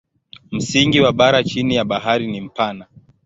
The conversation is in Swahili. Msingi wa bara chini ya bahari ni mpana.